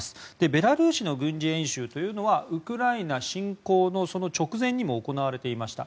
ベラルーシの軍事演習というのはウクライナ侵攻の直前にも行われていました。